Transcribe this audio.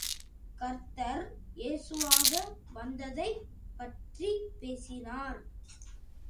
கர்த்தர் ஏசுவாக, வந்ததைப் பற்றிப் பேசினார்.